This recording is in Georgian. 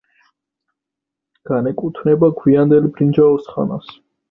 განეკუთვნება გვიანდელ ბრინჯაოს ხანას.